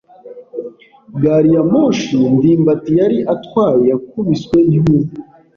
Gari ya moshi ndimbati yari atwaye yakubiswe n'inkuba.